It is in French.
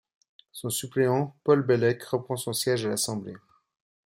Son suppléant Paul Bellec reprend son siège à l'Assemblée.